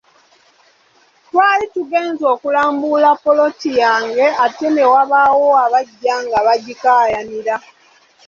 Twali tugenze okulambula ppoloti yange ate ne wabaawo abajja nga bagikaayanira.